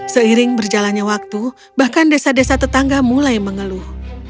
seiring berjalannya waktu bahkan desa desa tetangga mulai mengeluh